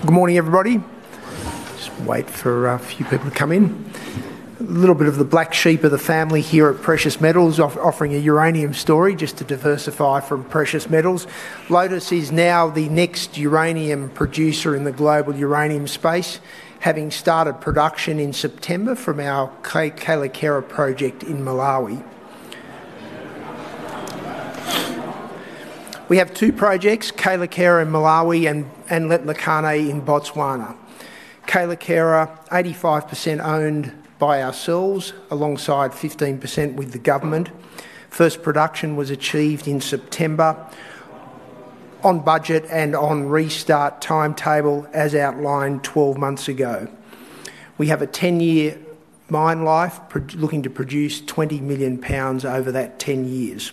Good morning, everybody. Just wait for a few people to come in. A little bit of the black sheep of the family here at Precious Metals, offering a uranium story just to diversify from Precious Metals. Lotus is now the next uranium producer in the global uranium space, having started production in September from our Kayelekera project in Malawi. We have two projects, Kayelekera in Malawi and Letlhakane in Botswana. Kayelekera, 85% owned by ourselves, alongside 15% with the government. First production was achieved in September, on budget and on restart timetable as outlined 12 months ago. We have a 10-year mine life, looking to produce 20 million lbs over that 10 years.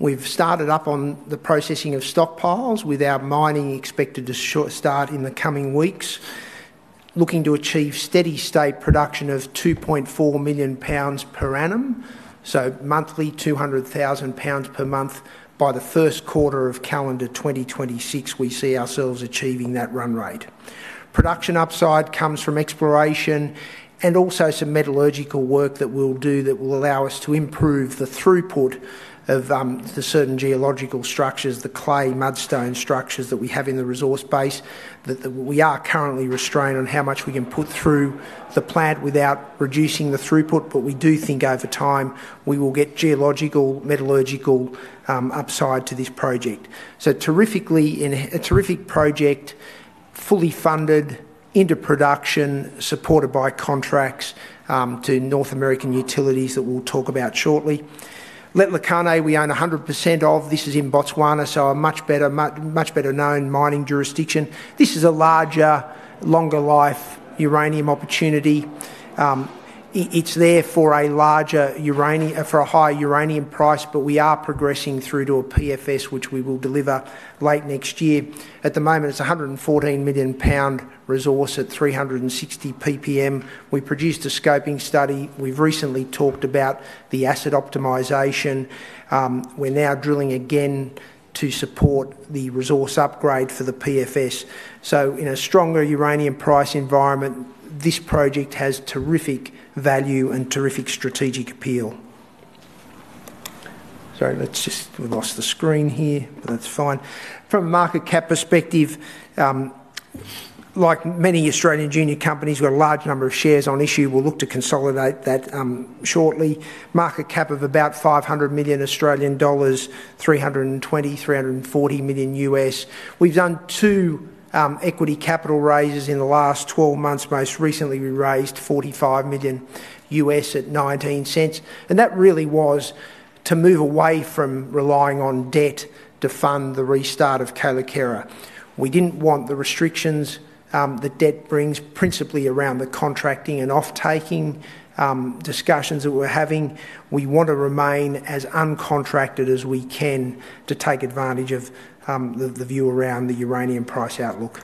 We've started up on the processing of stockpiles with our mining expected to start in the coming weeks, looking to achieve steady-state production of 2.4 million lbs per annum, so monthly 200,000 lbs per month by the first quarter of calendar 2026. We see ourselves achieving that run rate. Production upside comes from exploration and also some metallurgical work that we'll do that will allow us to improve the throughput of the certain geological structures, the clay, mudstone structures that we have in the resource base, that we are currently restrained on how much we can put through the plant without reducing the throughput. We do think over time we will get geological, metallurgical upside to this project. Terrifically, in a terrific project, fully funded, into production, supported by contracts to North American utilities that we'll talk about shortly. Letlhakane, we own 100% of. This is in Botswana, so a much better, much better known mining jurisdiction. This is a larger, longer life uranium opportunity. It's there for a larger uranium, for a higher uranium price, but we are progressing through to a PFS, which we will deliver late next year. At the moment, it's a 114 million lb resource at 360 ppm. We produced a scoping study. We've recently talked about the asset optimisation. We're now drilling again to support the resource upgrade for the PFS. In a stronger uranium price environment, this project has terrific value and terrific strategic appeal. Sorry, let's just—we lost the screen here, but that's fine. From a market cap perspective, like many Australian junior companies, we've got a large number of shares on issue. We'll look to consolidate that shortly. Market cap of about 500 million Australian dollars, $320 million-$340 million U.S. We've done two equity capital raises in the last 12 months. Most recently, we raised $45 million at $0.19. That really was to move away from relying on debt to fund the restart of Kayelekera. We did not want the restrictions that debt brings, principally around the contracting and off-taking discussions that we are having. We want to remain as uncontracted as we can to take advantage of the view around the uranium price outlook.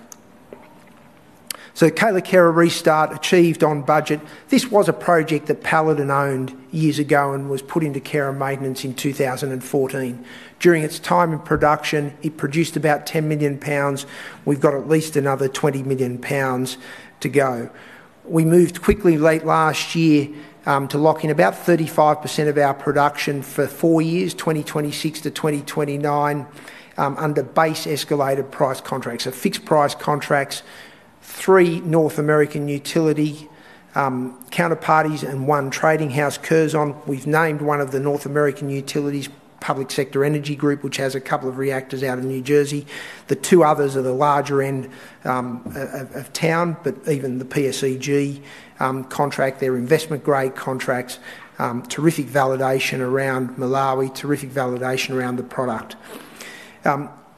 Kayelekera restart achieved on budget. This was a project that Paladin owned years ago and was put into care and maintenance in 2014. During its time in production, it produced about 10 million lbs. We have got at least another 20 million lbs to go. We moved quickly late last year to lock in about 35% of our production for four years, 2026 -2029, under base escalated price contracts, so fixed price contracts, three North American utility counterparties and one trading house, Curzon. We have named one of the North American utilities Public Service Enterprise Group, which has a couple of reactors out in New Jersey. The two others are the larger end of town, but even the PSEG contract, they are investment-grade contracts. Terrific validation around Malawi, terrific validation around the product.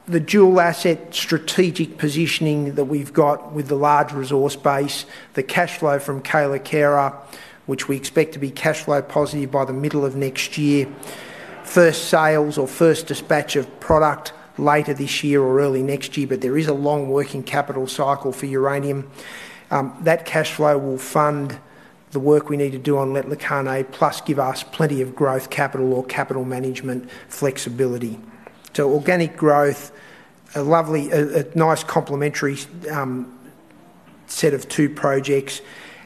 The dual asset strategic positioning that we have got with the large resource base, the cash flow from Kayelekera, which we expect to be cash flow positive by the middle of next year, first sales or first dispatch of product later this year or early next year, but there is a long working capital cycle for uranium. That cash flow will fund the work we need to do on Letlhakane, plus give us plenty of growth capital or capital management flexibility. Organic growth, a lovely, a nice complementary set of two projects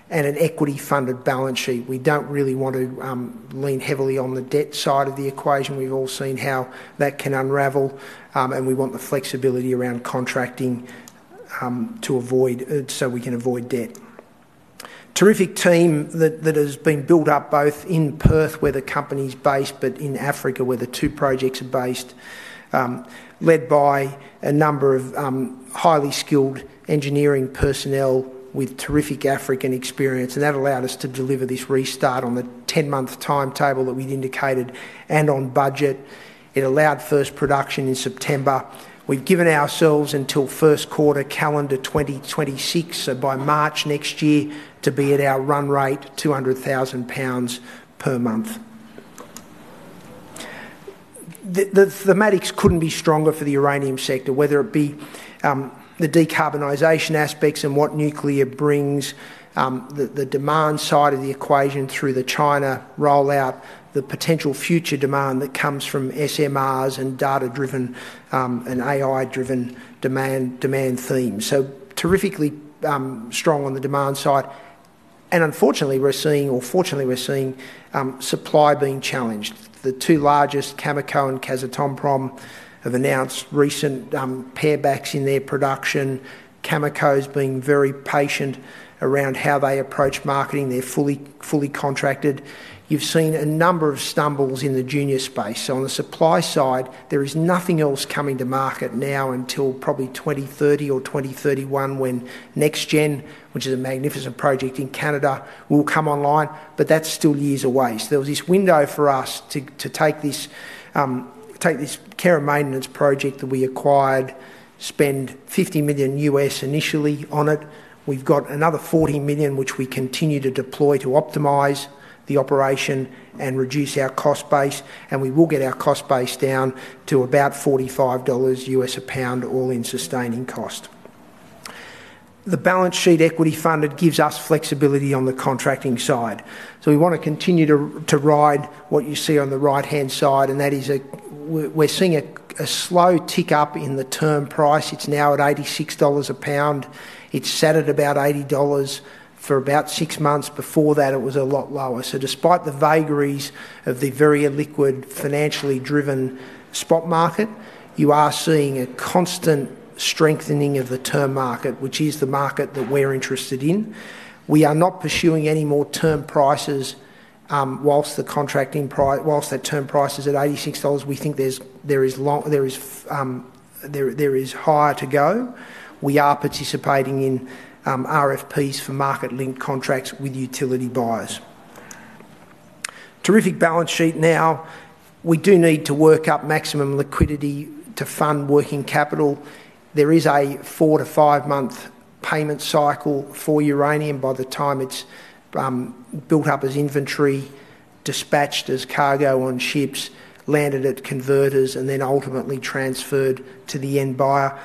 and an equity-funded balance sheet. We do not really want to lean heavily on the debt side of the equation. We have all seen how that can unravel, and we want the flexibility around contracting to avoid so we can avoid debt. Terrific team that has been built up both in Perth, where the company's based, but in Africa, where the two projects are based, led by a number of highly skilled engineering personnel with terrific African experience. That allowed us to deliver this restart on the 10-month timetable that we had indicated and on budget. It allowed first production in September. We've given ourselves until first quarter calendar 2026, so by March next year, to be at our run rate, 200,000 lbs per month. The thematics couldn't be stronger for the uranium sector, whether it be the decarbonisation aspects and what nuclear brings, the demand side of the equation through the China rollout, the potential future demand that comes from SMRs and data-driven and AI-driven demand themes. Terrifically strong on the demand side. Unfortunately, we're seeing, or fortunately, we're seeing supply being challenged. The two largest, Cameco and Kazatomprom, have announced recent pare-backs in their production. Cameco's being very patient around how they approach marketing. They're fully contracted. You've seen a number of stumbles in the junior space. On the supply side, there is nothing else coming to market now until probably 2030 or 2031 when NexGen, which is a magnificent project in Canada, will come online. That is still years away. There was this window for us to take this care and maintenance project that we acquired, spend $50 million initially on it. We have got another $40 million, which we continue to deploy to optimize the operation and reduce our cost base. We will get our cost base down to about $45 a pound, all-in sustaining cost. The balance sheet equity funded gives us flexibility on the contracting side. We want to continue to ride what you see on the right-hand side. That is, we are seeing a slow tick up in the term price. It is now at $86 a pound. It sat at about $80 for about six months. Before that, it was a lot lower. Despite the vagaries of the very illiquid, financially driven spot market, you are seeing a constant strengthening of the term market, which is the market that we're interested in. We are not pursuing any more term prices. Whilst the contracting price, whilst that term price is at $86, we think there is higher to go. We are participating in RFPs for market-linked contracts with utility buyers. Terrific balance sheet now. We do need to work up maximum liquidity to fund working capital. There is a four- to five-month payment cycle for uranium by the time it's built up as inventory, dispatched as cargo on ships, landed at converters, and then ultimately transferred to the end buyer.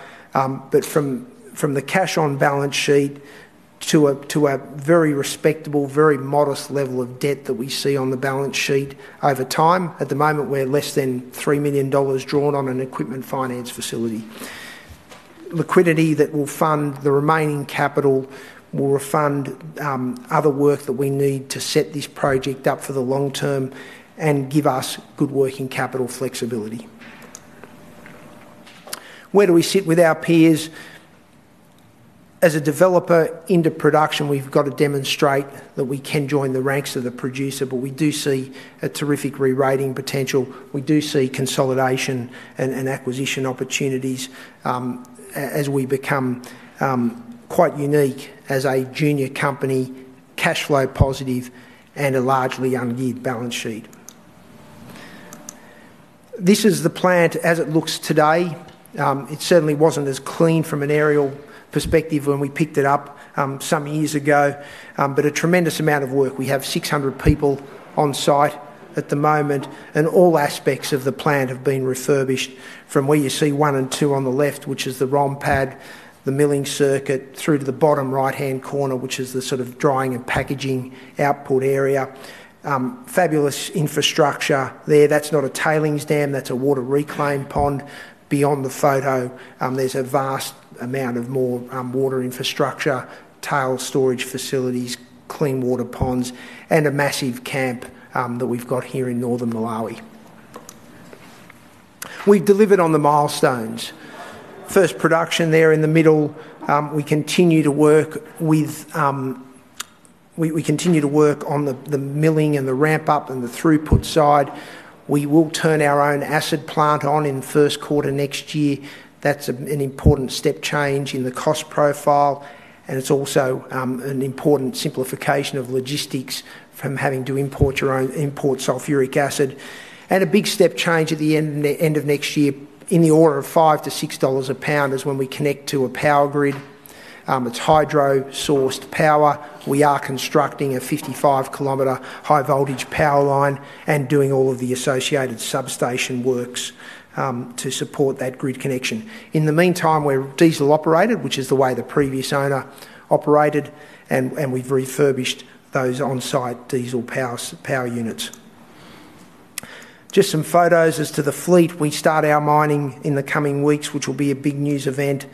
From the cash-on balance sheet to a very respectable, very modest level of debt that we see on the balance sheet over time, at the moment, we're less than $3 million drawn on an equipment finance facility. Liquidity that will fund the remaining capital will refund other work that we need to set this project up for the long term and give us good working capital flexibility. Where do we sit with our peers? As a developer into production, we've got to demonstrate that we can join the ranks of the producer, but we do see a terrific re-rating potential. We do see consolidation and acquisition opportunities as we become quite unique as a junior company, cash flow positive, and a largely ungeared balance sheet. This is the plant as it looks today. It certainly wasn't as clean from an aerial perspective when we picked it up some years ago, but a tremendous amount of work. We have 600 people on site at the moment, and all aspects of the plant have been refurbished from where you see one and two on the left, which is the ROM pad, the milling circuit, through to the bottom right-hand corner, which is the sort of drying and packaging output area. Fabulous infrastructure there. That's not a tailings dam. That's a water reclaim pond. Beyond the photo, there's a vast amount of more water infrastructure, tail storage facilities, clean water ponds, and a massive camp that we've got here in northern Malawi. We've delivered on the milestones. First production there in the middle. We continue to work with—we continue to work on the milling and the ramp-up and the throughput side. We will turn our own acid plant on in first quarter next year. That is an important step change in the cost profile. It is also an important simplification of logistics from having to import your own import sulfuric acid. A big step change at the end of next year in the order of $5-$6 a pound is when we connect to a power grid. It is hydro-sourced power. We are constructing a 55 km high-voltage power line and doing all of the associated substation works to support that grid connection. In the meantime, we are diesel operated, which is the way the previous owner operated, and we have refurbished those on-site diesel power units. Just some photos as to the fleet. We start our mining in the coming weeks, which will be a big news event.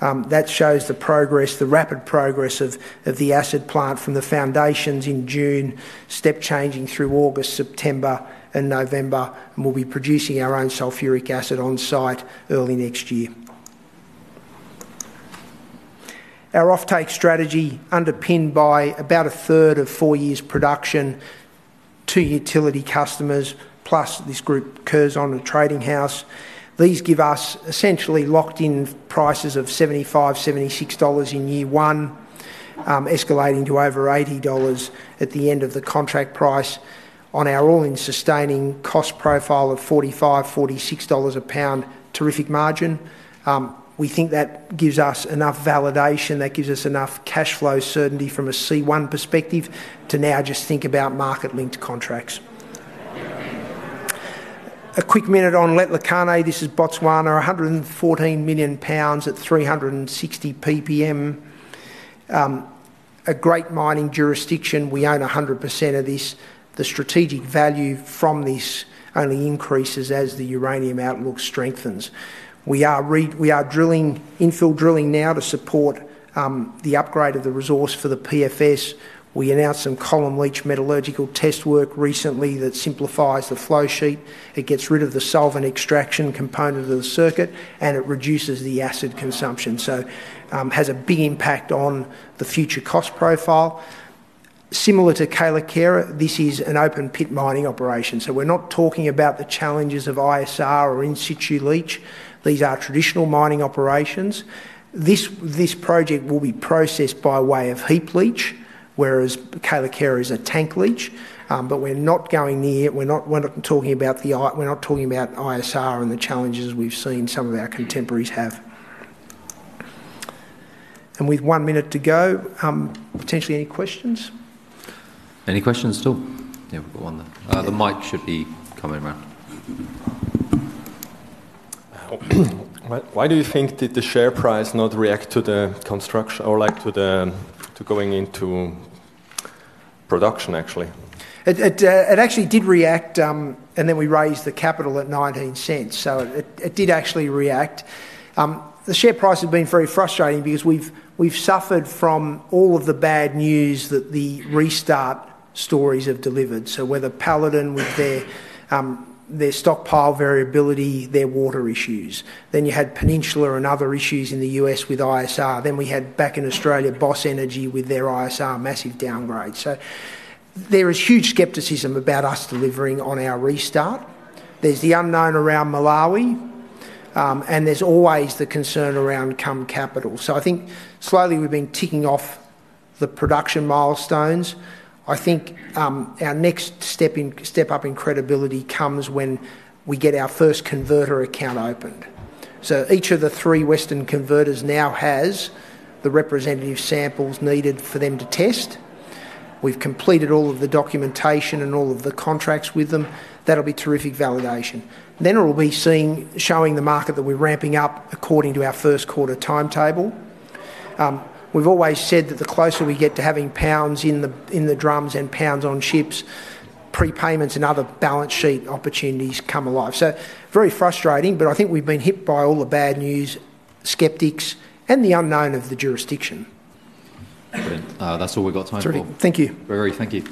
That shows the progress, the rapid progress of the acid plant from the foundations in June, step changing through August, September, and November. We will be producing our own sulfuric acid on site early next year. Our off-take strategy underpinned by about a third of four years' production to utility customers, plus this group, Curzon, and Trading House. These give us essentially locked-in prices of $75, $76 in year one, escalating to over $80 at the end of the contract price on our all-in sustaining cost profile of $45, $46 a pound, terrific margin. We think that gives us enough validation, that gives us enough cash flow certainty from a C1 perspective to now just think about market-linked contracts. A quick minute on Letlhakane. This is Botswana, 114 million pounds at 360 ppm. A great mining jurisdiction. We own 100% of this. The strategic value from this only increases as the uranium outlook strengthens. We are drilling, infill drilling now to support the upgrade of the resource for the PFS. We announced some column leach metallurgical test work recently that simplifies the flow sheet. It gets rid of the solvent extraction component of the circuit, and it reduces the acid consumption. It has a big impact on the future cost profile. Similar to Kayelekera, this is an open pit mining operation. We are not talking about the challenges of ISR or in-situ leach. These are traditional mining operations. This project will be processed by way of heap leach, whereas Kayelekera is a tank leach. We are not going near. We are not talking about the—we are not talking about ISR and the challenges we have seen some of our contemporaries have. With one minute to go, potentially any questions? Any questions still? Yeah, we've got one there. The mic should be coming around. Why do you think did the share price not react to the construction or like to the—to going into production, actually? It actually did react, and then we raised the capital at $0.19. So it did actually react. The share price has been very frustrating because we've suffered from all of the bad news that the restart stories have delivered. Whether Paladin with their stockpile variability, their water issues. Then you had Peninsula and other issues in the US with ISR. Back in Australia, Boss Energy with their ISR, massive downgrade. There is huge skepticism about us delivering on our restart. There is the unknown around Malawi, and there is always the concern around Cum Capital. I think slowly we've been ticking off the production milestones. I think our next step up in credibility comes when we get our first converter account opened. Each of the three Western converters now has the representative samples needed for them to test. We've completed all of the documentation and all of the contracts with them. That will be terrific validation. It will be seeing—showing the market that we're ramping up according to our first quarter timetable. We've always said that the closer we get to having pounds in the drums and pounds on ships, prepayments and other balance sheet opportunities come alive. Very frustrating, but I think we've been hit by all the bad news, skeptics, and the unknown of the jurisdiction. Excellent. That's all we've got time for. Thank you. Very good. Thank you.